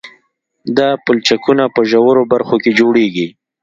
دا پلچکونه په ژورو برخو کې جوړیږي